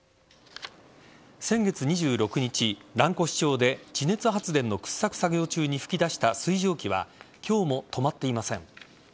先月２６日、蘭越町で地熱発電の掘削作業中に噴き出した水蒸気は今日も止まっていません。